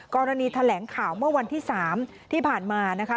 กรณีแถลงข่าวเมื่อวันที่๓ที่ผ่านมานะคะ